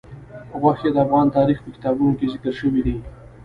غوښې د افغان تاریخ په کتابونو کې ذکر شوي دي.